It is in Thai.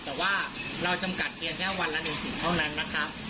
แต่ว่าเราจำกัดเพียงแค่วันละ๑๐เท่านั้นนะครับ